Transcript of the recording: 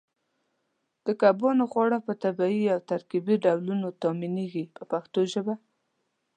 د کبانو خواړه په طبیعي او ترکیبي ډولونو تامینېږي په پښتو ژبه.